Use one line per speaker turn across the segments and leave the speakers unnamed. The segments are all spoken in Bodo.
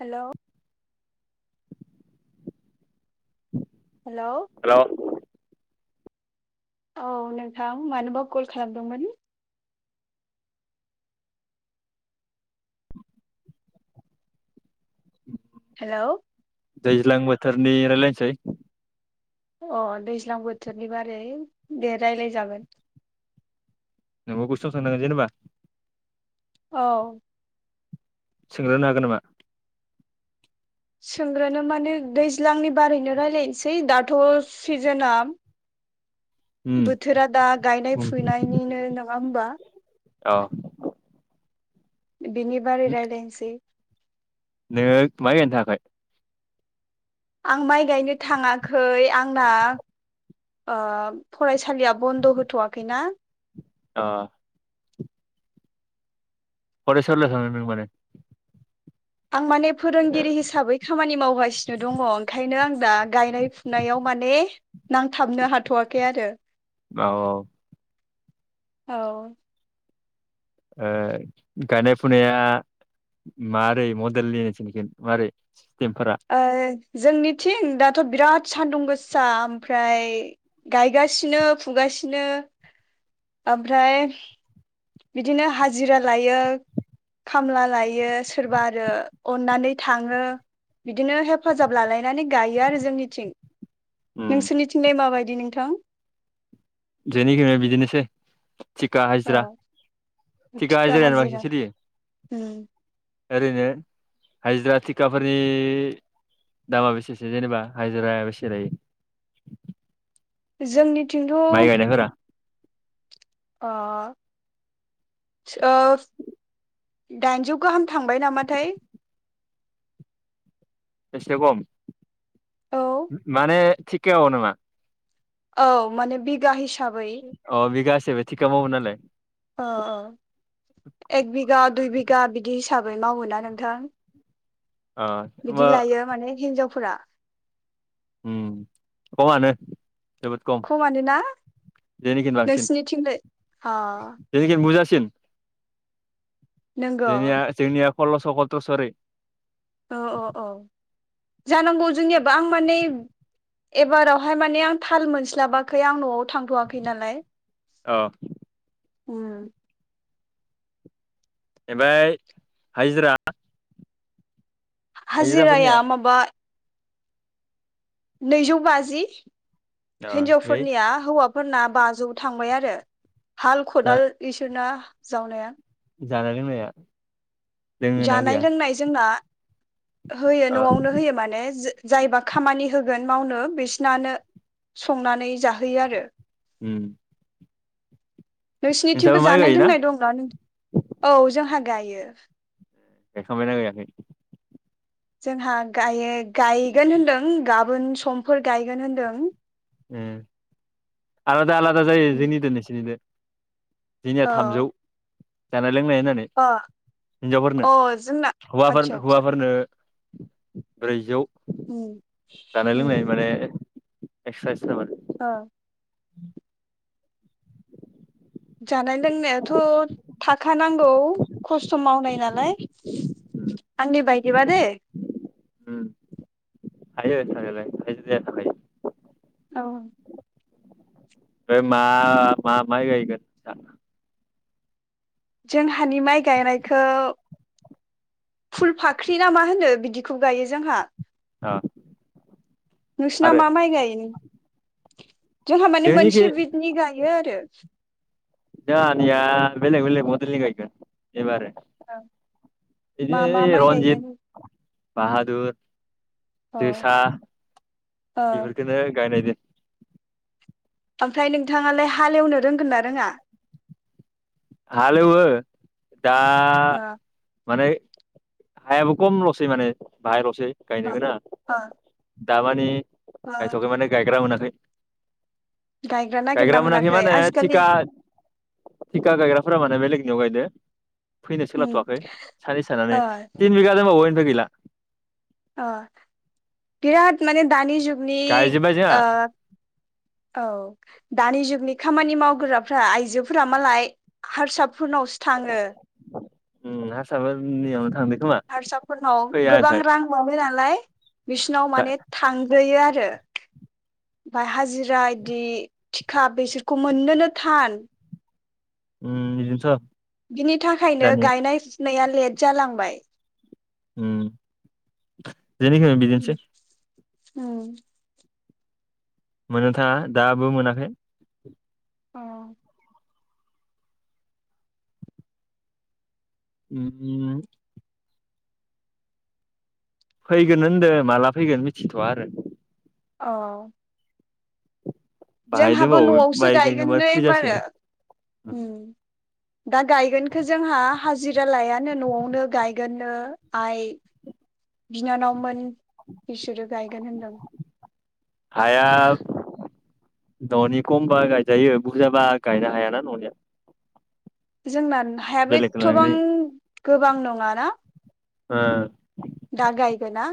हेलौ। हेलौ।
हेल'
औ नोंथां मानोबा कल खालामदोंमोन? हेल'।
दैज्लां बोथोरनि रायज्लायनोसै।
अ दैज्लां बोथोरनि बारै दे रायलाय जागोन।
नोंबो कुइसन सोंनांगोन जेनेबा।
औ।
सोंग्रोनो हागोन नामा?
सोंग्रोनो माने दैज्लांनि बारैनो रायज्लायनोसै दाथ' सिजेनआ।
[inaudible] [inaudible] उम
बोथोरा दा गायनाय फुनायनिनो नङा होमबा?
औ।
बिनि बारै रायज्लायनोसै।
[inaudible]
आं माइ गायनो थाङाखै आंना। फरायसालिया बन्द' होथ'वाखैना?
अ। [inaudible]
आं माने फोरोंगिरि हिसाबै खामानि मावगासिनो दङ। ओंखायनो आं दा गायनाय फुनायाव माने। नांथाबनो हाथ'वाखै आरो।
औ।
औ।
गायनाय फुनाया? [inaudible]
आरो? जोंनिथिं दाथ' बिराद सान्दुं गोसा ओमफ्राय गायगासिनो फुगासिनो। बिदिनो ओमफ्राय। बिदिनो हाजिरा लायो। खामला लायो सोरबा आरो अननानै थाङो। बिदिनो हेफाजाब लालायनानै गायो आरो जोंनिथिं।
उम
नोंसोरनिथिंलाय माबायदि नोंथां।
जोंनिथिंग बिदिनोसोय टिखा
औ
हाजिरा। थिखा हाजिरा बांसिन सोलियो।
उम।
ओरैयनो हाजिरा टिखाफोरनि। दामा बेसेसो जेनेबा हाजिराया बेसे लायो।
जोंनिथिंथ'।
माइ गायनायफोरा
[inaudible] दाइनजौ गाहाम थांबाय नामाथाय।
एसे खम
औ
माने टिखायाव नामा।
औ माने बिघा हिसाबै।
अ बिगासे टिखा मावो नालाय।
अ अ एक बिगा दुइ बिगा बिदि हिसाबै मावो ना नोंथां।
ओ
बिदि
होमबा
लायो माने हिनजावफोरा।
खममानो। जोबोद खम
खमानोना
जोंंनिखै बांसिन
नोंसिनिथिंलाय अ
जोंनिखै बुरजा। [inaudible]
नंगौ
जोंनिया जोंनिया कल्लस कत्रस ओरै।
औ औ औ जानांगौ जोंनियाबो आं माने। एबारावहाय माने आं थाल मोनस्लाबाखै आं न'आव थांथ'वाखै नालाय।
औ।
हम
ओफाय हाइजिरा?
हाजिराया माबा नैजौ बाजि
अ ओमफ्राय
हिनजावफोरनिया हौवा फोरना बाजौ थांबाय आरो हाल खदाल बिसोरना जावनाया!
जानानै मैया
जानाय लोंनाय जोंना होयो
अ
नआवनो होयो माने जो जायबा खामानि होगोन मावनो बिसनानो संनानै जाहोयो आरो
उम नोंसाबो
नोंसिनिथिंबो
माइ
जानाय
गायोना
लोंनाय दंना नों औ जोंहा गायो
गायखांबायना गायाखै
जोंहा गायो गायगोन होनदों गाबोन समफोर गायगोन होनदों
उम आलादा आलादा जायो जोंनिदो नोंसोरनिदो दिनिया
औ
थामजौ बाय लोंनाय होननानै
अ
हिनजावफोरनो
अ जोंना
हौआफोर
आतसा आतसा
हौवाफोरनो ब्रैजौ
उम
जानाय लोंनाय
उम
माने एक्सट्रा एक्सट्रा माने
ओ
उम
जानाय लोंनायाथ थाखा नांगौ खस्थ मावनाय नालाय
उम
आंनि बायदिबा दे [inaudible]
थायो थानायालाय हाजिराया थाखायो
औ
बे मा मा माय गायगोन नोंसा
जोंहानि माइ गायनायखौ फुल फाख्रि ना मा होनो बिदिखौ गायो जोंहा
अ
नोंसिना
आरो
मा माइ गायनि जोंहा माने
जोंनिखि
मोनसे बिदनि गायो आरो
जोंहानिया बेलेग बेलग मदेलिनि गायगोन बेबारो [inaudible] इदि
मा मा माइ
रन्जित
गायगोन
बाहादुर
औ
जोसा
ओ
बेफोरखौनो गायनायदो
ओमफ्राय नोंथाङालाय हालेवनो रोंगोन ना रोङा
हालेवो दा
ओ
माने हायाबो खमलसै माने बाहायलसै गायनो गोनाङा
ओ
दामाने
ओ
गायथखै माने गायग्रा मोनाखै गायग्रा
नागिरना
मोनाखि
मोनाखै
माने
आजिखालि
थिखा थिखा गायग्राफोरा माने बेलेग नियाव गायदो फैनो
उम
सोलाथवाखै सानैसो थानानै
ओ
थिन बिगा दंबावो बो गैला
अ बिराद माने दानि जुगनि
गायजोब्बाय जोंहा
ओ औ दानि जुगनि खामानि मावग्राफ्रा आइजोफोरा मालाय हारसा फोरनावसो थांङो
हारसाफोरनियावनो थांदो खोमा
हारसाफोरनाव
फैया
गोबां
ओमफ्राय
रां मोनो नालाय बिसिनाव
दा
माने थांग्रोयो आरो फाय हाजिरा इदि थिखा बेसोरखौ मोननोनो थान
उम इदिनोथ
बिनि थाखायनो गायनाय फुनाया लेट जालांबाय
उम जोंनिखिबो बिदिनोसै
उम
मोननो थांङा दाबो मोनाखै
अ
[unintelligible] फैगोन होनदों माला फैगोन मिथिथआ आरो
औ
बाहाय
जोंहाबो
दोबावो
न'आवसो
बाय
गायगोननो
फ्रि
एबारो
जासिगोन
दा गायगोनखो जोंहा हाजिरा लायानो न'आवनो गायगोननो आइ बिनानावमोन बिसोरो गायगोन होनदों
हाया न'नि खमबा गायजायो बुरजाबा गायनो हायाना न'निया
जोंना हायाबो
बेलेगखौ लानाय
एथबां
जायो
गोबां नङाना।
ओ
दा गायगोना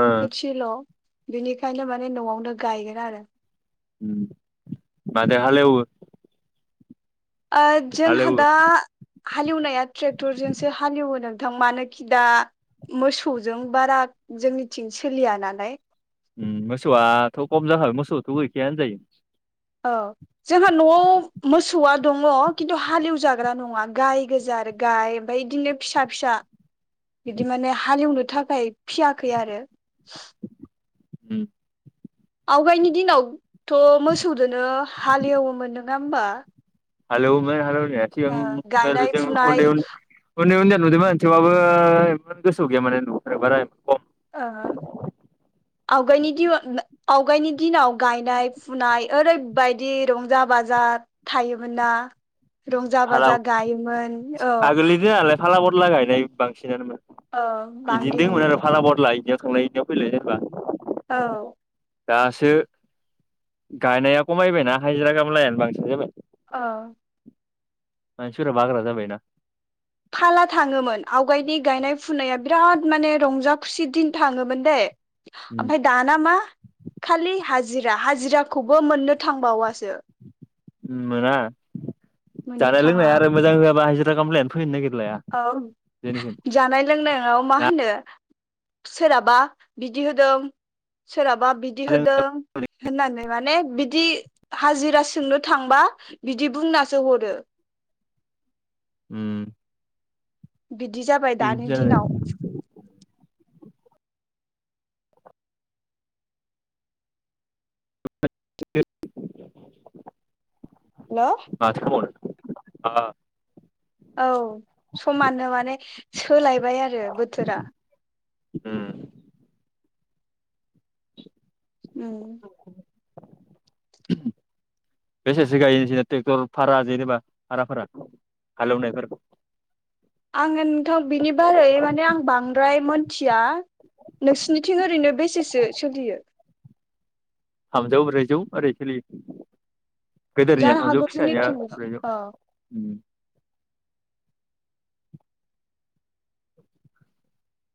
ओ
एचेल' बेनिखायनो माने न'आवनो गायगोन आरो
उम मादो हालेवो
ओ जोंहा
हालेवो
दा हालेवनाया ट्रेक्टरजोंसो हालेवहोदों। नोंथां मानोखि दा मोसौजों बारा जोंनिथिं सोलिया नालाय
उम मोसौआथ' खम जाखागोन मोसौथ' गैखाया होनजायो।
औ जोंहा न'आव मोसौआ दङ' खिन्थु हालेवजाग्रा नङा गाय गोजा आरो गाय ओमफ्राय इदिनो फिसा फिसा बिदि माने हालेवनो थाखाय फियाखै आरो
उम
आवगायनि दिनावथ' मोसौदोनो हालेवोमोन नोङा होमबा?
हालेवोमोन हालौनाया
ओ
सिगांफोर
गायनाय
जों
फुनाय
उन्दै उन उन्दै उन्दै उन्दैयावनो नुदोंमोन थेवबा बो गोसोआव गैया [unintelligible]
ओ
[inaudible]
आवगायनि दि आवगायनि दिनाव गायनाय फुनाय ओरैबायदि रंजा बाजा थायोमोन ना रंजा
फाला
बाजा गायोमोन औ
आगोलनिनो नालाय फाला बदला गायनाय बांसिनानोमोन
औ
बिदिनो
बांदिन
दंमोन आरो फाला बदला इनियाव थांलाय इनियाव फैलाय जेनबा
औ
दासो गायनाया खमायबायना हाजिरा खामलायानो बांसिन जाबाय।
ओ
मानसिफोरा बाग्रा जाबायना
फाला थाङोमोन आवगायनि गायनाय फुनाया बिराद माने रंजा खुसि दिन थाङोमोन दै
उम
ओमफ्राय दाना मा खालि हाजिरा हाजिराखौबो मोननो थांबावासो।
मोना
मोननो
जानाय
थाङा
लोंनाय आरो मोजां होआबा हाजिरा खामलायानो फैनो नागिर
औ जानाय लोंनायाव मा होनो सोरहाबा बिदि होदों सोराबा बिदि होदों
उम
होननानै माने बिदि हाजिरा सोंनो थांबा बिदि बुंनासो हरो
उम
बिदि जाबाय दानि दिनाव
[unintelligible]
हेल'
[unintelligible]
औ समानो माने सोलायबाय आरो बोथोरा
होम
उम
[inaudible] बेसेसो गायनोसै ट्रेक्टर भारा जेनेबा भाराफोरा हालेवनायफोर
आङो नोंथां बिनि बारै माने आं बांद्राय मोनथिया नोंसिनिथिं ओरैनो बेसेसो सोलियो
थामजौ ब्रैजौ ओरै सोलियो गोदोरनिया
जानो
थामजौ
हागौ
फिसानिया
जोंनिथिंबो
ब्रैजौ
अ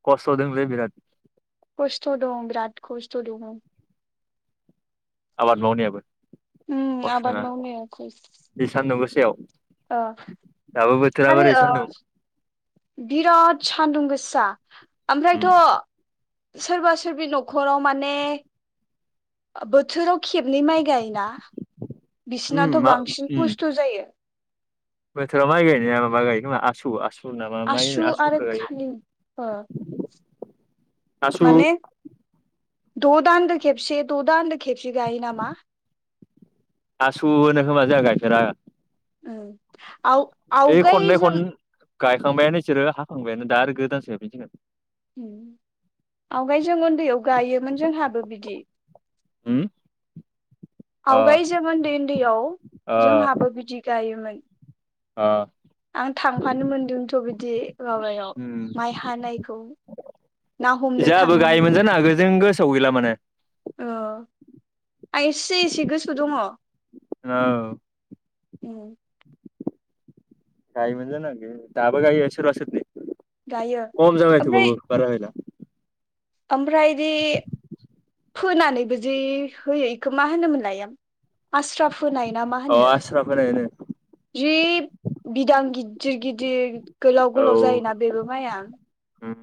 खथदोंलै बिराद
खस्थ दं बिराद खस्थ दङ
आबाद मावनायाबो
उम आबाद
खस्थना
मावनाया खस्थ'
बे सान्दुं गोसा
ओ
बोथोराबो ओरै
आरोओ
सान्दुं
बिराद सान्दुं गोसा सा ओमफ्रायथ सोरबा सोरबि नखराव माने बोथोराव खेबनै माइ गायोना
उम
बिसिनाथ बांसिन खस्थ जायो
बोथोराव माइ गायनाया माबा गायखोमा आसु आसु सुनामा माइ होन
आसु
आस
आरो
सुख
खालि ओ
गायो आसु
माने द दान्दो खेबसे द दान्दो खेबसे गायो नामा
आसासु होनो खोमा जाया गाइफेरा
उम आव आवगाय
खननै खन
जों
गायखांबायानो न बिसोरो हाखांबायानो दा आरो गोदानसो गायफिनसिगोन
उम आवगाय जों उन्दैयाव गायोमोन जोंहाबो बिदि
हुम
आवगाय जोमोनन्दै उन्दैयाव
अ
जोंहाबो बिदि गायोमोन
अ
आं थांफानो मोनदोंथ बिदि माबायाव
उम
माइ हानायखौ ना हमनो थांनो
सहैला माने
अ आं एसे एसे गोसो दङ
औ
उम
गायमोन जोंहा गोल दाबो गायो सोरबा सोरबि
गायो
खम जाबाय थेवबाबो बारायला गायला
आमफ्रायदि फोनानैबो जि होयोै बेखौ मा होनोमोनलाय आं आस्रा फोनाय ना मा
औ
होनो
आस्रा फोनाय होनो
जि बिदां गिद गिदिर गिदिर गोलाव
औ
गोलाव जायोना बेबो माइया
उम